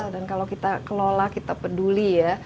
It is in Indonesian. dan kalau kita kelola kita peduli ya